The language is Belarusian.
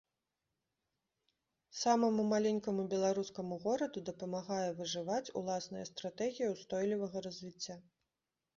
Самаму маленькаму беларускаму гораду дапамагае выжываць уласная стратэгія ўстойлівага развіцця.